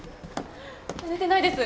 寝てないです！